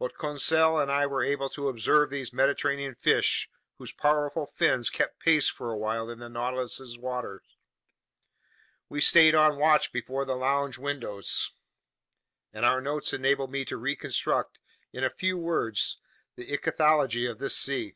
But Conseil and I were able to observe those Mediterranean fish whose powerful fins kept pace for a while in the Nautilus's waters. We stayed on watch before the lounge windows, and our notes enable me to reconstruct, in a few words, the ichthyology of this sea.